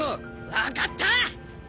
分かった！